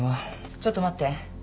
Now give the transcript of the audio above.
「ちょっと待って。